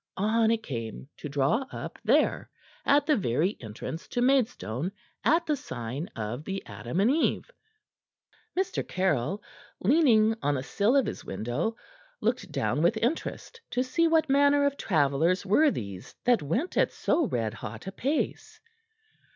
On it came, to draw up there, at the very entrance to Maidstone, at the sign of the "Adam and Eve." Mr. Caryll, leaning on the sill of his window, looked down with interest to see what manner of travellers were these that went at so red hot a pace.